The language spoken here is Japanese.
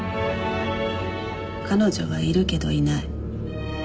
彼女はいるけどいない。